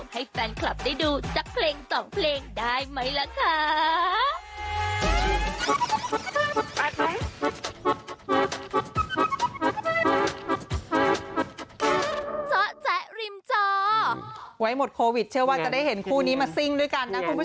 ให้แฟนคลับได้ดูจากเพลงสองเพลงได้ไหมล่ะค่ะ